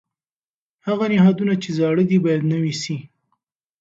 هغه نهادونه چې زاړه دي باید نوي سي.